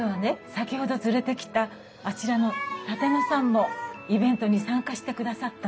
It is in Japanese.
先ほど連れてきたあちらの舘野さんもイベントに参加してくださったんです。